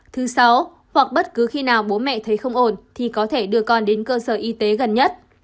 thứ sáu hoặc bất cứ khi nào bố mẹ thấy không ổn thì có thể đưa con đến cơ sở y tế gần nhất